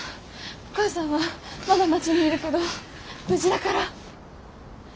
お母さんはまだ町にいるけど無事だから。